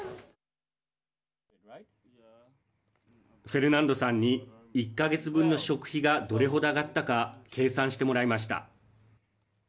フェルナンドさんに１か月分の食費がどれほど上がったか計算してもらいました。